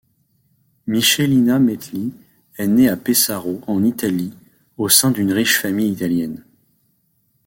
Michelina Metelli est née à Pesaro, en Italie, au sein d'une riche famille italienne.